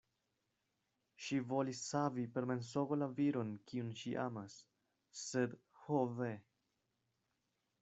Ŝi volis savi per mensogo la viron, kiun ŝi amas; sed ho ve!